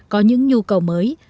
có những nhu cầu mới